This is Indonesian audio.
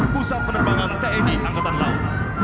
pusat penerbangan tni angkatan laut